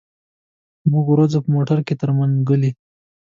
موږ ورځو په موټر کي تر منګلي.